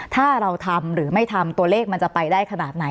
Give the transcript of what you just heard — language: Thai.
ถ้าเราทำหรือไม่ทำตัวเลขมันจะไปได้ขนาดไหน